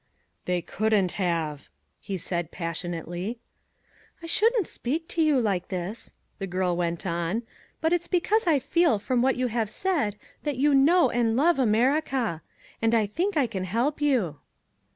"They couldn't have," he said passionately. "I shouldn't speak to you like this," the girl went on, "but it's because I feel from what you have said that you know and love America. And I think I can help you."